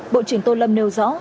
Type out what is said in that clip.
bộ trưởng tô lâm nêu rõ